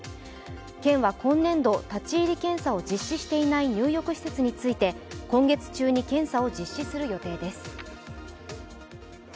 県は今年度、立ち入り検査を実施していない入浴施設について、今月中に検査を実施する予定です。